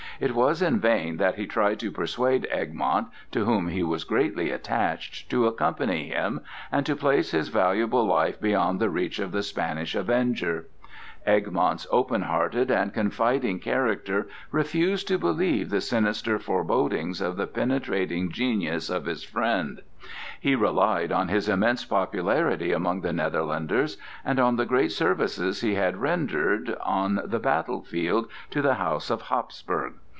It was in vain that he tried to persuade Egmont, to whom he was greatly attached, to accompany him and to place his valuable life beyond the reach of the Spanish "avenger." Egmont's openhearted and confiding character refused to believe the sinister forebodings of the penetrating genius of his friend; he relied on his immense popularity among the Netherlanders and on the great services he had rendered, on the battle field, to the House of Hapsburg.